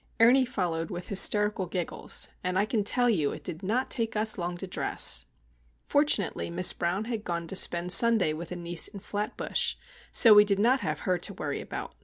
Ernie followed with hysterical giggles,—and I can tell you it did not take us long to dress! Fortunately Miss Brown had gone to spend Sunday with a niece in Flatbush, so we did not have her to worry about.